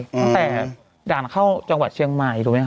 ตั้งแต่ด่านเข้าจังหวัดเชียงใหม่